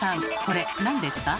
これなんですか？